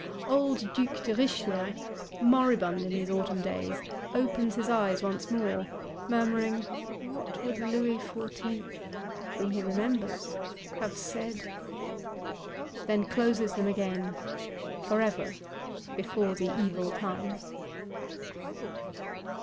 Old Duke de Richelieu, moribund in these autumn days, opens his eyes once more, murmuring, 'What would Louis Fourteenth' (whom he remembers) 'have said!'—then closes them again, forever, before the evil time.